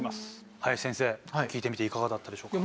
林先生聞いてみていかがだったでしょうか？